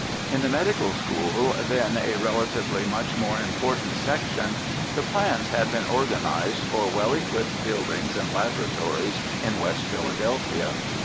In the Medical School, then a relatively much more important section, the plans had been organized for well equipped build ings and laboratories in West Philadelphia.